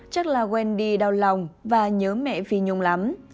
chắc là wendy đau lòng và nhớ mẹ phi nhung lắm